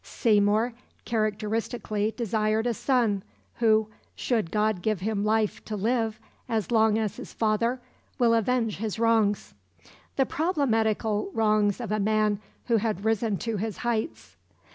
Seymour characteristically desired a son who "should God give him life to live as long as his father, will avenge his wrongs" the problematical wrongs of a man who had risen to his heights.